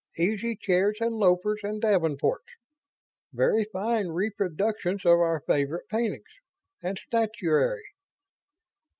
Easy chairs and loafers and davenports. Very fine reproductions of our favorite paintings ... and statuary."